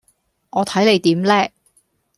我睇你點叻